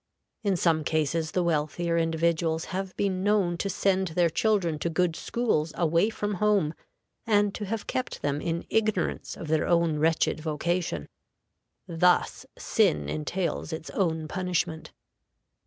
In some cases the wealthier individuals have been known to send their children to good schools away from home, and to have kept them in ignorance of their own wretched vocation. Thus sin entails its own punishment.